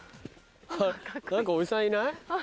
何かおじさんいない？ハハハ。